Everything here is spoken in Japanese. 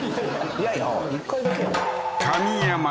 いやいや１回だけやん神山